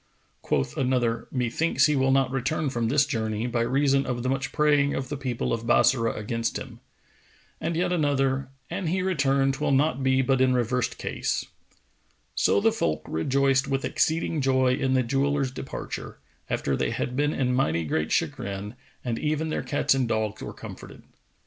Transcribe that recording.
Quoth another, "Methinks he will not return from this journey, by reason of the much praying of the people of Bassorah against him."[FN#456] And yet another, "An he return, 'twill not be but in reversed case."[FN#457] So the folk rejoiced with exceeding joy in the jeweller's departure, after they had been in mighty great chagrin, and even their cats and dogs were comforted.